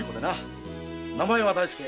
名前は大介。